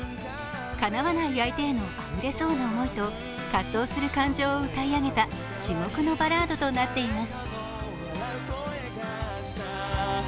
かなわない相手へのこぼれそうな思いと葛藤する感情を歌い上げた至極のバラードとなっています。